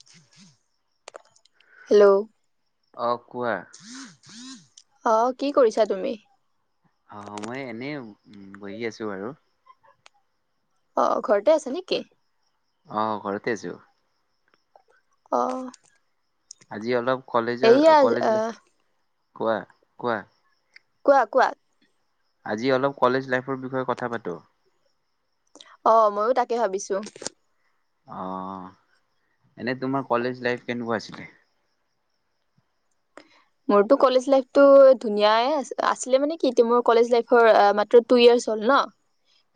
[inaudible] Hello! অঁ কোৱা। অ কি কৰিছা তুমি? অ মই এনেই বহি আছো আৰু অ ঘৰতে আছে নেকি? অ ঘৰতে আছো। অহ আজি অলপ কলেজৰ কলেজ আহ কোৱা কোৱা কোৱা কোৱা। আজি অলপ কলেজ লাইফৰ বিষয়ে কথা পাতো। অ মইও তাকে ভাবিছো। অহ, এনে তোমাৰ কলেজ লাইফ কেনেকুৱা আছিলে? মোৰতো কলেজ লাইফটো ধুনীয়াই আছিলে। আছিলে মানে কি, মোৰ কলেজ লাইফৰ মাথো টু ইয়াৰ্চ হ'ল ন,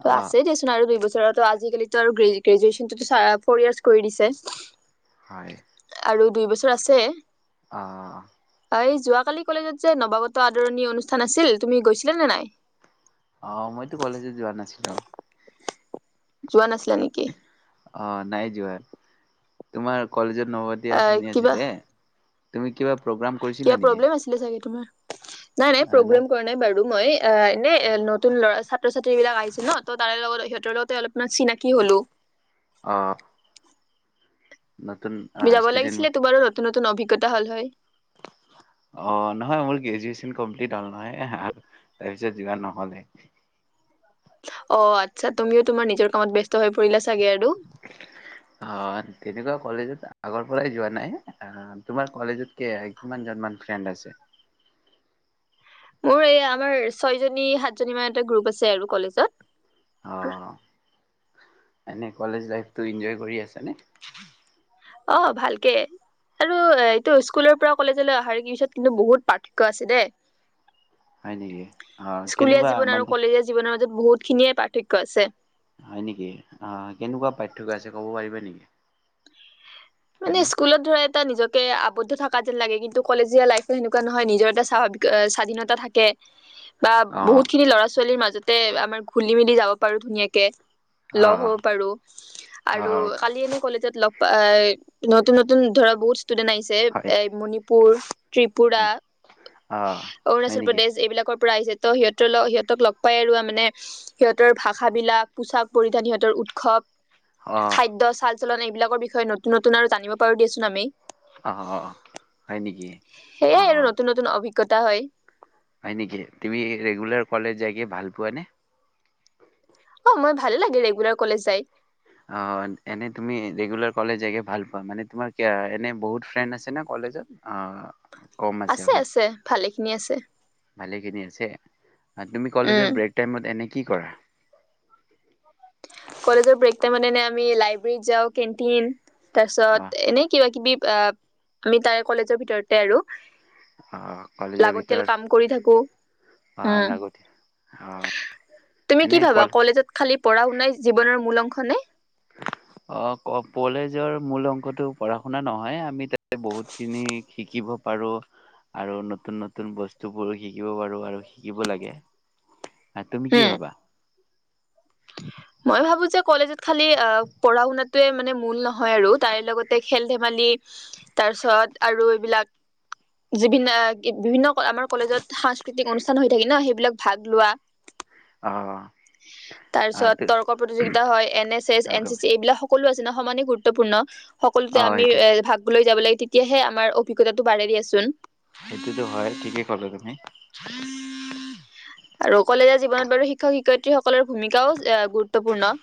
ত অ' আছে দেছ- আৰু দুই বছৰ, আজিকালিটো আৰু গ্ৰেজোৱেচনটোটো ফ'ৰ ইয়াৰ্চ কৰি দিছে। হয়। আৰু দুই বছৰ আছে। অঁ' এই যোৱাকালি কলেজত যে নৱাগত আদৰণি অনুষ্ঠান আছিল তুমি গৈছিলা নে নাই? অঁ' মইতো কলেজেই যোৱা নাছিলো। যোৱা নাছিলা নেকি? অঁ নাই যোৱা। তোমাৰ কলেজত নৱাগত আহ আদৰণি কিবা আছিলে? তুমি কিবা প্ৰগ্ৰাম- কৰিছিলা কিবা নেকি? প্ৰব্লেম আছিলে চাগে তোমাৰ। নাই-নাই প্ৰগ্ৰেম কৰা নাই বাৰু মই। অ, এনেই নতুন ল'ৰা ছাত্ৰ-ছাত্ৰী বিলাক আহিছে ন, ত- তাৰে লগত সিহঁতৰ লগতে অলপমান চিনাকি হলো। অঁ' নতুন- তুমি যাব ষ্টুডেন্ট লাগিছিলে, তোমাৰো নতুন নতুন অভিজ্ঞতা হল হয়। অ, নহয় মোৰ গ্ৰেজুৱেচন কমপ্লিট হল নহয়। তাৰপিছত যোৱা নহ'লে। অ' আৎচ্ছা, তুমিও তোমাৰ নিজৰ কামত ব্যস্ত হৈ পৰিলা চাগে আৰু। অঁ, তেনেকুৱা কলেজত আগৰ পৰাই যোৱা নাই। অহ তোমাৰ কলেজত- কে কিমানজন মান ফ্ৰেণ্ড আছে? মোৰ এই আমাৰ ছয়জনী সাতজনী মান এটা গ্ৰুপ আছে আৰু কলেজত। অ, এনে কলেজ লাইফটো এনজয় কৰি আছা নে? অঁ ভালকে। আৰু এইটো স্কুলৰ পৰা কলেজলৈ অহাৰ পিছত কিন্তু বহুত পাৰ্থক্য আছে দেই। হয় নেকি, অ স্কুলীয়া কেনেকুৱা জীৱন আৰু মানে? কলেজীয়া জীৱনৰ মাজত বহুত খিনিয়ে পাৰ্থক্য আছে। হয় নেকি? অঁ কেনেকুৱা পাৰ্থক্য আছে ক'ব পাৰিবা নেকি? মানে এনে স্কুলত ধৰা- এটা নিজকে আৱদ্ধ থকা যেন লাগে, কিন্তু কলেজীয়া লাইফটো সেনেকুৱা নহয় নিজৰ এটা স্বাভাৱিক স্বাধীনতা থাকে। বা অ', বহুত খিনি লৰা ছোৱালীৰ মাজতে আমাৰ ঘুলি মেলি যাব পাৰো ধুনীয়াকে। লগ অ', হ'ব পাৰো, আৰু অ', কালি আমি কলেজত লগ পাই- নতুন নতুন ধৰা বহুত ষ্টুডেন্ট আহিছে, হয়। এ মণিপুৰ- ত্ৰিপুৰা, অ', হয় অৰুণাচল নেকি? প্ৰদেশ এইবিলাকৰ পৰা আহিছে। ত সিহঁতৰ লগ সিহঁতক লগ পাই আৰু মানে- সিহঁতৰ ভাষা বিলাক, পোচাক পৰিধান, সিহঁতৰ উৎসৱ- অ', খাদ্য, চাল-চলন এইবিলাকৰ বিষয়ে নতুন নতুন আৰু জানিব পাৰো দিয়াচোন আমি। অঁ অঁ' সেইয়াই আৰু নতুন নতুন অভিজ্ঞতা হয়। হয় নেকি, তুমি ৰেগুলাৰ কলেজ যায়গে ভাল পোৱা নে? অ' মই ভালে লাগে ৰেগুলাৰ কলেজ যাই। অঁ এনেই তুমি ৰেগুলাৰ কলেজ গৈ ভাল পোৱা, মানে তোমাৰ এনে বহুত ফ্ৰেণ্ড আছে নে কলেজত? অঁহ' আছে আছে, ভালেখিনি আছে। ভালেখিনি আছে? তুমি উম কলেজৰ ব্ৰেক টাইমত এনেই কি কৰা? কলেজৰ ব্ৰেক টাইমত এনেই আমি লাইব্ৰেৰীত যাওঁ, কেনটিন। তাৰ অ পিছত এনে কিবা কিবি আ আমি তাৰে কলেজৰ ভিতৰতে আৰু অ কলেজৰ লাগতিয়াল ভিতৰত কাম কৰি থাকো অ উম লাগতি তুমি কি এনে ভাবা কল কলেজত খালি পঢ়া শুনাই জীৱনৰ মূল অংশনে অ ক কলেজৰ মূল অংশতো পঢ়া শুনা নহয় আমি তাতে বহুত খিনি শিকিব পাৰো আৰু নতুন নতুন বস্তুবোৰো শিকিব পাৰো আৰু শিকিব লাগে আহ তুমি কি উম ভাবা মই ভাবো যে কলেজত খালি অ পঢ়া শুনাটোৱে মানে মূল নহয় আৰু তাই লগতে খেল ধেমালি তাৰ পিছত আৰু এইবিলাক বিভিন্ন বিভিন্ন আমাৰ কলেজত সাংস্কৃতিক অনুষ্ঠান হৈ থাকে ন সেইবিলাক ভাগ লোৱা অ তাৰ আ পিছত তৰ্ক প্ৰতিযোগিতা হয় এন এছ এছ এন তৰ্ক চি চি এইবিলাক সকলো আছে ন সমানে গুৰুত্বপূৰ্ণ অ সকলোতে আমি সেইটো এ ভাগ লৈ যাব লাগে তেতিয়াহে আমাৰ অভিজ্ঞতাটো বাঢ়ে দিয়াচোন সেইটোতো হয় ঠিকেই কলা তুমি আৰু কলেজৰ জীৱনত বাৰু শিক্ষক শিক্ষয়িত্ৰীসকলৰ ভূমিকাও গুৰুত্বপূৰ্ণ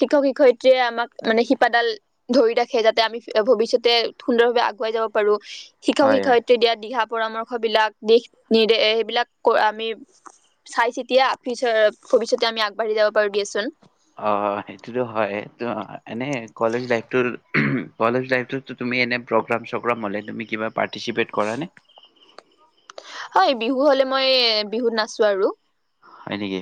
শিক্ষক শিক্ষয়িত্ৰীয়ে আমাক মানে শিপাডাল ধৰি ৰাখে যাতে আমি ভৱিষ্যতে সুন্দৰ ভাৱে আগুৱাই যাব পাৰো শিক্ষক হয় হয় শিক্ষয়িত্ৰীয়ে দিয়া দিহা পৰামৰ্শ বিলাক দেশ নিৰ্দেশ এইবিলাক আমি চাই চিতিয়াি ভৱিষ্যতে আমি আগবাঢ়ি যাব পাৰো দিয়চোন অ সেইটোতো হয় ত এনেই কলেজ লাইফটোৰ কলেজ লাইফটো তুমি এনে প্ৰগ্ৰাম চগ্ৰাম হ'লে তুমি কিবা পাৰ্টচিপেট কৰা নে হয় বিহু হলে মই বিহুত নাচো আৰু হয় নেকি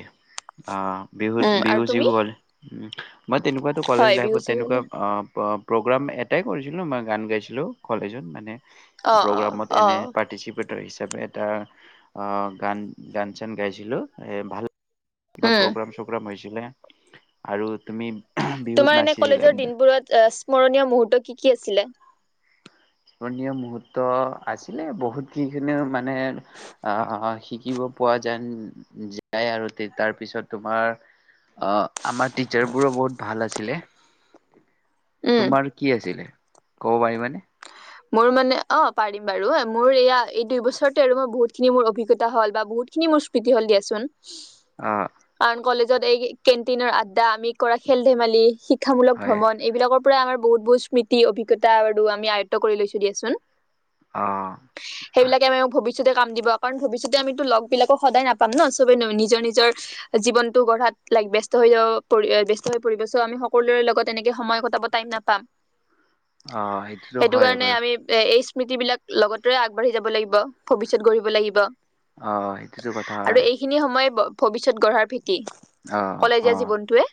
অ বিহুত উম আৰু বিহু তুমি চিহু হ'ল উম মই তেনেকুৱাতো কলেজ হয় বিহু লাইফত চিহু তেনেকুৱা হলে আ প প্ৰগ্ৰাম এটাই কৰিছিলো মই গান গাইছিলো কলেজত মানে অ অ প্ৰগ্ৰামত অ এনে পাৰ্টিচিপ পেটাৰ হিচাপে এটা অ গান গান চান গাইছিলো এ ভাল কিবা উম প্ৰগ্ৰাম চগ্ৰাম হৈছিলে আৰু তুমি বিহুত তোমাৰ এনে কলেজৰ নাচিছিলা দিনবোৰত স্মৰণীয় মুহুৰ্ত কি কি আছিলে স্মৰণীয় মুহূৰ্ত আছিলে বহুত কিখিনিও মানে আহ শিকিব পোৱা যেন যায় আৰু তাৰ পিছত তোমাৰ আহ আমাৰ টিচাৰবোৰো বহুত ভাল আছিলে উম তোমাৰ কি আছিলে ক'ব পাৰিবানে মোৰ মানে অ পাৰিম বাৰু মোৰ এয়া এই দুই বছৰতে আৰু মই বহুতখিনি মোৰ অভিজ্ঞতা হ'ল বা বহুত খিনি মোৰ [unintelligible] হল দিয়াচোন অ কাৰণ কলেজত এই কেণ্টিনৰ আড্ডা আমি কৰা খেল ধেমালি শিক্ষামূলক হয় ভ্ৰমণ এইবিলাকৰ পৰা আমাৰ বহুত বহুত স্মৃতি অভিজ্ঞতা আৰু আমি আয়ত্ব কৰি লৈছো দিয়াচোন অ সেইবিলাকে আমাক ভৱিষ্যতে কাম দিব কাৰণ ভৱিষ্যতে আমিতো লগ বিলাকো সদায় নাপাম ন চবেই নিজৰ নিজৰ জীৱনটো গঢ়াত লাইক ব্যস্ত হৈ যাব পৰি ব্যস্ত হৈ পৰিব চ আমি সকলোৰে লগত এনেকে সময় কটাব টাইম নাপাম অ সেই সেইটো কাৰণে আমি এই স্মৃতি বিলাক লগতে আগবঢ়ি যাব লাগিব ভৱিষ্যত গঢ়িব লাগিব অ সেইটোতো কথা আৰু হয় এইখিনি সময়ে ভৱিষ্যত গঢ়াৰ ভেটি অ কলেজীয়া অ জীৱনটোৱে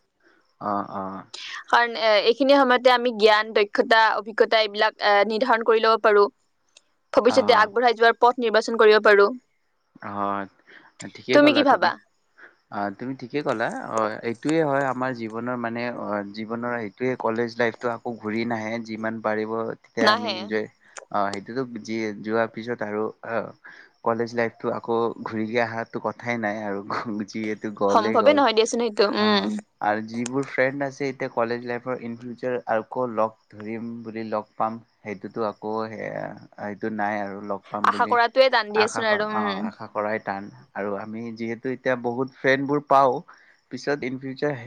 অ অ কাৰণ এ এইখিনি সময়তে আমি জ্ঞান দক্ষতা অভিজ্ঞতা এইবিলাক এ নিৰ্ধাৰণ কৰি লব পাৰো ভৱিষ্যতে অ আগবঢ়াই যোৱাৰ পথ নিৰ্বাচন কৰিব পাৰো। অ', ঠিকেই ক'লা কি তুমি। ভাবা অ', তুমি ঠিকে ক'লা অ', এইটোয়ে হয় আমাৰ জীৱনৰ মানে অ', জীৱনৰ ত কলেজ লাইফটো আকৌ ঘূৰি নাহে যিমান পাৰিব তেয়া আমি নাহে ইনজয় সেইটোতো যিয়া পিছত আৰু কলেজ লা তো আকৌ ঘূৰি আহাতো কথাই নাই আৰু যিয়ে গ'লেই সম্ভৱে গ'ল নহয় দিয়াচোন সেইটো উম অ'। আৰু যিবোৰ ফ্ৰেণ্ড আছে এতিয়া কলেজ লাইফৰ ইন ফিউচাৰ আকৌ ধৰিম বুলি লগ পাম সেইটোতো আকৌ সেয়া সেইটো নাই আৰু লগ পাম আশা বুলি কৰাটোৱে টান দি আশা আচোন আৰু কৰা উম অ আশা কৰাই টান আৰু আমি যিহেতু এতিয়া বহুত ফ্ৰেন বোৰ পাওঁ। পিছত ইন ফিউচাৰ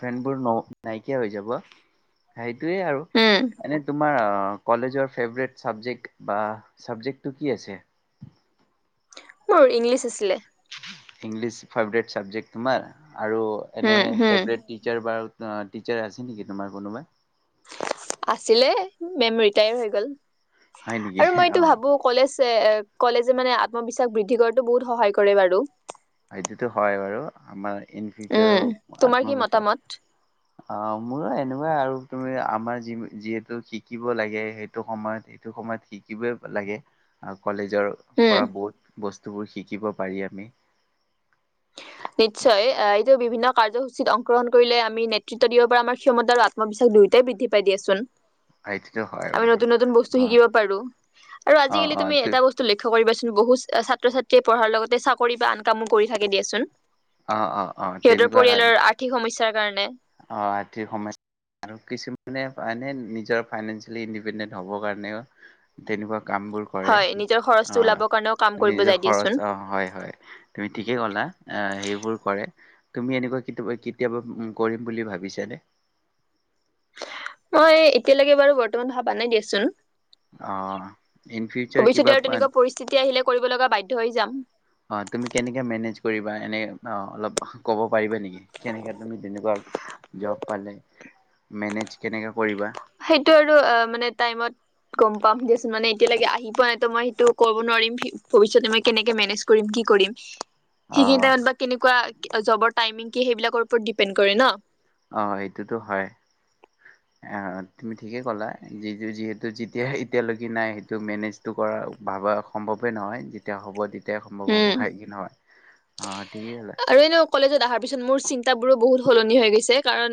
ফ্ৰেনৰ নাইকিয়া হৈ যাব। সেইটোয়ে আৰু উম এনে তোমাৰ অ' কলেজৰ ফেভৰেট ছাবজেক্ট বা চাবজেক্টটো কি আছিল? মোৰ ইংলিছ আছিলে। ইংলিছ ফেভৰেট চাবজেক্ট তোমাৰ, আৰু এনে হম হম ফেভৰেট টিচাৰ বা টিচাৰ আছে নেকি তোমাৰ কোনোবা? আছিলে মেম ৰিটায়াৰ হৈ গ'ল হয় নেকি আৰু মই অ এটো ভাবো কলেজ, কলেজে মানে আত্মবিশ্বাস বৃদ্ধি কৰাতো বহুত সহায় কৰে বাৰু। সেইটোতো হয় বাৰু আমাৰ ইন উম ফিউচাৰৰ তোমাৰ কি আত্মবিশ্বাস মতামত অ', মোৰো এনেকুৱাই আৰু তুমি আমাৰ যিহেতু শিকিব লাগে সেইটো সময়ত এইটো সময়ত শিকিবই লাগে কলেজৰ উম পৰা বহুত বস্তুবোৰ শিকিব পাৰি আমি। নিশ্চয় বিভিন্ন কাৰ্যসূচীত অংশগ্ৰহ কৰিলে আমি নেতৃত্ব দিব পৰা আমাৰ ক্ষমতা আৰু আত্মবিশ্বাস দুয়োটাই বৃদ্ধি পাই দিয়াচোন। সেইটোতো হয় আমি বাৰু নতুন, নতুন বস্তু অ শিকিব পাৰোঁ আৰু অ আজিকালি অ তুমি এটা বস্তু লক্ষ্য কৰিবাচোন বহুত ছাত্ৰ ছাত্ৰীয়ে পঢ়াৰ লগতে চাকৰি বা আন কামো কৰি থাকে দিয়াচোন। অ অ অ সিহঁতৰ তেনেকুৱা পৰিয়ালৰ আৰ্থিক সমস্যাৰ কাৰণে। অ', আৰ্থিক সমস্যা আৰু কিছুমানে মানে নিজৰ ফাইনেঞ্চিয়েলি ইণ্ডিপেনডেন্ট হ'বৰ কাৰণেও তেনেকুৱা কাম বোৰ কৰে হয় নিজৰ খৰচটো ওলাবৰ কাৰণেও কাম আহ কৰিব যায় নিজৰ দিয়াচোন খৰচ অ', হয়, হয় তুমি ঠিকেই ক'লা সেইবোৰ কৰে তুমি এনেকুৱা কেতিয়াবা, কেতিয়াবা কৰিম বুলি ভাবিছা নে? মই এতিয়ালৈকে বাৰু বৰ্তমান ভাৱ নাই দিয়াচোন। অ', ইন ফিউচাৰ কিবা স্থিতি আহিলে কৰিব লগা বাধ্য হৈ যাম। অ', তুমি কেনেকে মেনেজ কৰিবা এনে অ', অলপ ক'ব পাৰিবা নেকি। কেনেকে তুমি তেনেকুৱা জব পালে মেনেজ কেনেকে কৰিবা? সেইটো আৰু অ', মানে টাইমত গম পাম দিয়চোন মানে এতিয়ালৈকে আহি এতিয়া লৈ আহি পোৱা নাইতো মই সেইটো ক'ব নোৱাৰিম ভৱিষ্যতে মই কেনেকে মেনেজ কৰিম কি কৰিম। সেইখিনি অ' টাইমত বা কেনেকুৱা জবৰ টাইমিং কি সেইবিলাকৰ ওপৰত ডিপেণ্ড কৰে ন। অ', এইটোতো হয়। [inaudible] তুমি ঠিকেই ক'লা যি যিহেতু যেতিয়া এতিয়ালৈকে নাই সেইটো মেনেজ [inaudible] কৰা ভাবা সম্ভৱে নহয়, যেতিয়া হ'ব তে এতিয়া সম্ভৱ উম হ'ব, হয় কি নহয়, আহ, ঠিকেই ক আৰু এনেও কলেজত অহাৰ পিছত মোৰ চিন্তাবোৰো বহুত সলনি হৈ গৈছে কাৰণ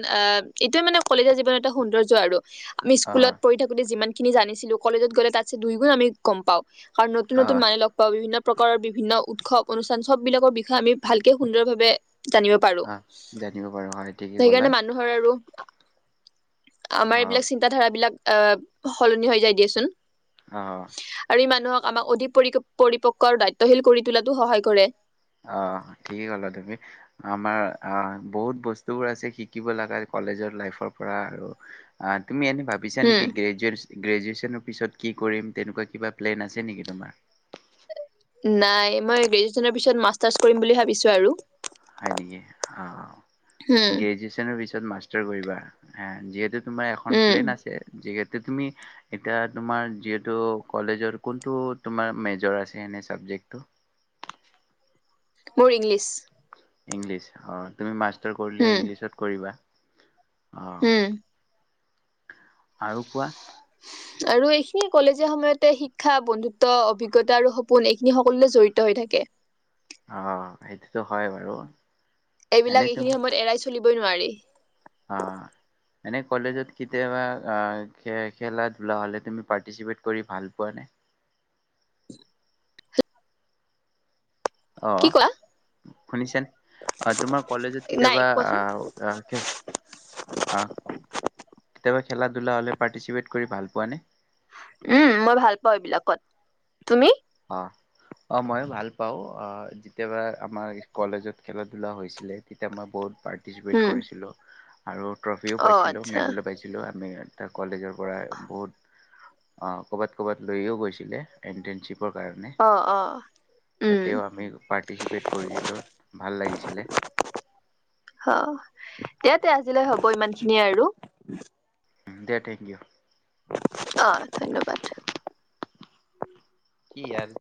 এইটোৱে মানে কলেজৰ জীৱন এটা সৌন্দৰ্য আৰু। আমি স্কুলত অ' পঢি থাকোতে, যিমান খিনি জানিছিলো, কলেজত গ'লে তাত দুই গুণ আমি গম পাওঁ। আৰু নতুন, নতুন অ' মানুহ লগ পাওঁ, বিভিন্ন প্ৰকাৰৰ বিভিন্ন উৎসৱ অনুষ্ঠান চব বিলাকৰ, বিষয়ে আমি ভালকে সুন্দৰভাৱে জানিব পাৰো, অ' জানিব পাৰো হয় ঠিকেই ক'লা সেইকাৰণে মানুহ আমাৰ অ' এইবিলাক ধাৰাবলাক আহ, সলনি হৈ যায় দিয়াচোন। অ, আৰু ই, মানুহক আমাক অধিক পৰি-পৰিপক্ক আৰু দায়িত্বশীল কৰি তোলাতো সহায় কৰে। অ, ঠিক ক'লা তুমি। আমাৰ আহ, বহুত বস্তুবোৰ আছে শিকিব লগা কলেজৰ লাইফৰ পৰা আৰু। আহ, তুমি এনে, ভাবিছা উম নেকি গ্ৰেজুৱে গ্ৰেজুৱেশ্যনৰ পিছত কি কৰিম, তেনেকুৱা কিবা প্লেন আছে নেকি তোমাৰ? নাই, মই গ্ৰেজুৱচনৰ পিছত মাষ্টাৰ্চ কৰিম বুলি ভাবিছো আৰু। হয় নেকি, অ, উম গ্ৰেজেনৰ পিছত মাষ্টাৰ কৰিবা, যিহেতু তোমাৰ এখন উম প্লেন আছে, যিহেতু তুমি এতিয়া তোমাৰ যিহেতু, কলেজৰ কোনটো মেজৰ আছে এনে‌ চাবজেক্ট টো? বোৰ, ইংলিছ। ইংলিছ অ, তুমি মাষ্টৰ কৰিলে উম ইংলিছত কৰিবা। অ, উম আৰু কোৱা। আৰু এইখিনি কলেজীয়া সময়তে শিক্ষা বন্ধুত্ব, অভিজ্ঞতা আৰু সপোন এইখিনি সকলোৱে জড়িত হৈ থাকে। অ, সেইতোটো হয় বাৰু। এনে এইবিলাক তুম এইখিনি সময়ত, এৰাই চলিবই নোৱাৰি। অ, এনেই কলেজত কেতিয়াবা খ, খেলা ধূলা হ'লে তুমি পাৰ্টিচিপেট কৰি ভাল পোৱা নে? কি অ, কোৱা শুনিছেনে অ, তোমাৰ কলেজত নাই কেতিয়াবা কোৱাচোন আহ অ, কেতিয়াবা খেলা ধূলা হ'লে পাৰ্টিচিপেট কৰি ভাল পোৱা নে? উম, মই ভাল পাওঁ এইবিলাকত, তুমি? অ, অ, মই ভাল পাওঁ অ, যেতিয়াবা আমাৰ কলেজত খেলা ধলা হৈছিলে, তেতিয়া মই বহুত পাৰ পাৰ্টিচিপেট উম কৰিছিলোঁ আৰু ট্ৰফিও অ পাইছিলো, আচ্ছা মেডেলো পাইছিলোঁ। ছিলোঁ আমি, কলেজৰ পৰা বহুত অ, ক'বাত ক'বাত লৈয়ও গৈছিলে, ইন্টাৰ্নশ্বিপ [inaudible] অ অ উম তাতেও আমি পাৰ্টিচিপেট কৰিছিলোঁ, ভাল লাগিছিলে। অ, এয়াতে আজিলৈ হ'ব, ইমান খিনিয়ে আৰু। দে, থেংক ইউ। অ, ধন্যবাদ। কি আৰ